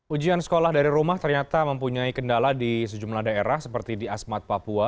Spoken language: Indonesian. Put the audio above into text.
ujian sekolah dari rumah ternyata mempunyai kendala di sejumlah daerah seperti di asmat papua